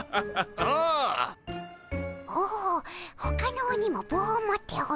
おおほかの鬼もぼうを持っておる。